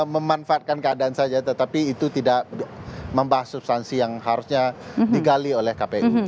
memanfaatkan keadaan saja tetapi itu tidak membahas substansi yang harusnya digali oleh kpu